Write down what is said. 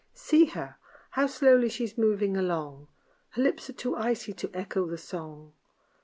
See her! How slowly she's moving along Her lips are too icy to echo the song.